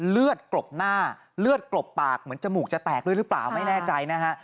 เลือดกลบหน้าเลือดกรบปากเหมือนจมูกจะแตกด้วยหรือเปล่าไม่แน่ใจนะฮะ